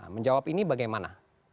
menjawab ini bagaimana